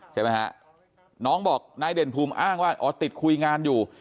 ใช่ไหมฮะน้องบอกนายเด่นภูมิอ้างว่าอ๋อติดคุยงานอยู่